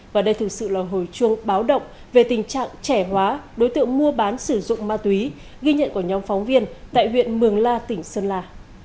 và đây thực sự là hồi chuông báo động về tình trạng trẻ hóa đối tượng mua bán sử dụng ma túy ghi nhận của nhóm phóng viên tại huyện mường la tỉnh sơn la